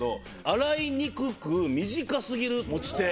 「洗いにくく短すぎる持ち手」。